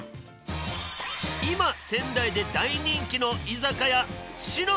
今仙台で大人気の居酒屋氏ノ